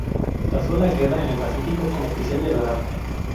Pasó la guerra en el Pacífico como oficial de radar.